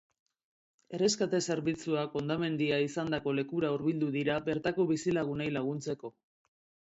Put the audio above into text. Erreskate zerbitzuak hondamendia izandako lekura hurbildu dira bertako bizilagunei laguntzeko.